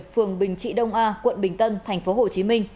phường bình trị đông a quận bình tân tp hcm